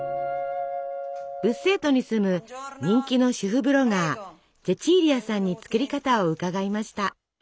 ブッセートに住む人気の主婦ブロガーチェチーリアさんに作り方を伺いました。